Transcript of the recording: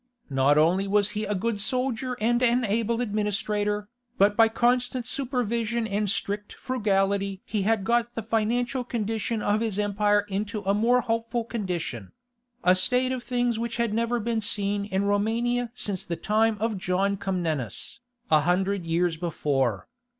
Not only was he a good soldier and an able administrator, but by constant supervision and strict frugality he had got the financial condition of his empire into a more hopeful condition—a state of things which had never been seen in Romania since the time of John Comnenus, a hundred years before.